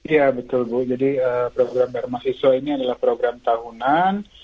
ya betul bu jadi program dharma siswa ini adalah program tahunan